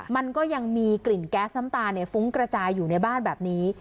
มันก็ยังมีกลิ่นแก๊สน้ำตาลฟุ้งกระจายอยู่ในบ้านแบบนี้